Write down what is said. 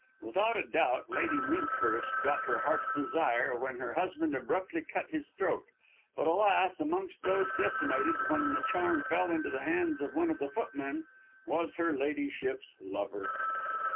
Without a doubt, Lady Minkhurst got her heart's desire when her husband abruptly cut his throat, but alas, amongst those decimated, when the charm fell into the hands of one of the footmen, was her ladyship's lover.